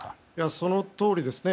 そのとおりですね。